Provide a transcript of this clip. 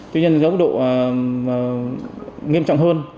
tuy nhiên giống độ nghiêm trọng hơn